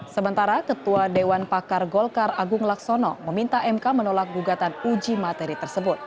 sementara ketua dewan pakar golkar agung laksono meminta mk menolak gugatan uji materi tersebut